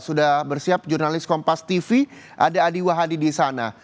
sudah bersiap jurnalis kompas tv ada adi wahadi di sana